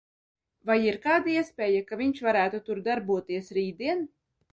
Vai ir kāda iespēja, ka viņš varētu tur darboties rītdien?